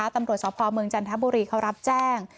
ตำรวจสพเมืองจันทบุรีเขารับแจ้ง